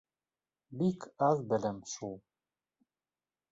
— Бик аҙ беләм шул.